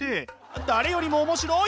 誰よりも面白い！